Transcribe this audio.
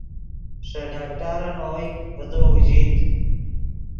ݰے ڈاکٹرن اوئے ڤے تو اوژیت